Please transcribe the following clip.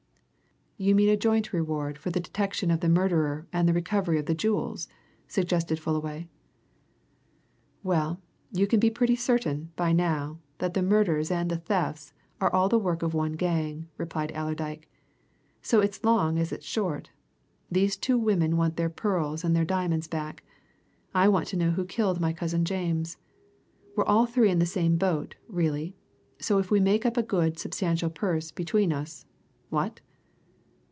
"You mean a joint reward for the detection of the murderer and the recovery of the jewels?" suggested Fullaway. "Well, you can be pretty certain, by now, that the murders and the thefts are all the work of one gang," replied Allerdyke. "So it's long as it's short. These two women want their pearls and their diamonds back I want to know who killed my cousin James. We're all three in the same boat, really; so if we make up a good, substantial purse between us what?"